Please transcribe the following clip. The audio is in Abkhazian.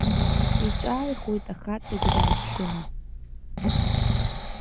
Иҿааихоит ахаҵагь, дааччаны.